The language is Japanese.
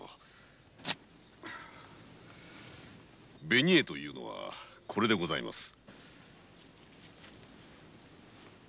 紅絵というのはこれでございます。